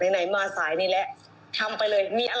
ไหนมาสายนี่แหละทำไปเลย